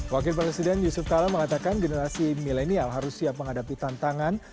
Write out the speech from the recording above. wakil presiden yusuf kala mengatakan generasi milenial harus siap menghadapi tantangan